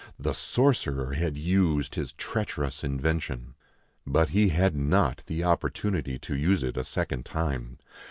The sorcerer had used his treacherous invention. But he had not the opportunity to use it a second time.